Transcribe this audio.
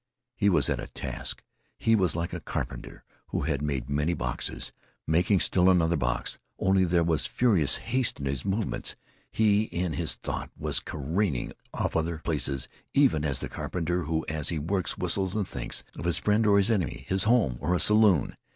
He was at a task. He was like a carpenter who has made many boxes, making still another box, only there was furious haste in his movements. He, in his thought, was careering off in other places, even as the carpenter who as he works whistles and thinks of his friend or his enemy, his home or a saloon.